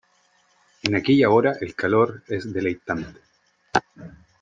en aquella hora el calor es deleitante .